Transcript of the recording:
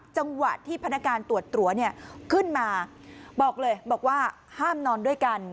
จังหวะที่พนักการตรวจตัวเนี่ยขึ้นมาบอกเลยบอกว่าห้ามนอนด้วยกัน